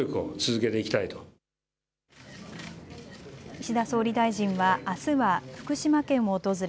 岸田総理大臣はあすは福島県を訪れ